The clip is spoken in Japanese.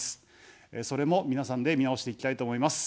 それも皆さんで見直していきたいと思います。